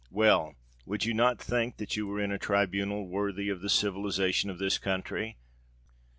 Well—would you not think that you were in a tribunal worthy of the civilisation of this country!